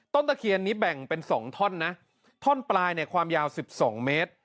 ตะเคียนนี้แบ่งเป็น๒ท่อนนะท่อนปลายเนี่ยความยาว๑๒เมตร